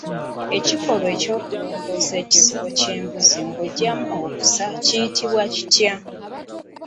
Ekikolwa eky'okulongoosa ekisibo ky'embuzi ng'oggyamu obusa kiyitibwa kitya?